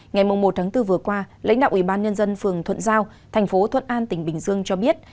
ngày một tháng bốn vừa qua lãnh đạo ủy ban nhân dân phường thuận giao thành phố thuận an tỉnh bình dương cho biết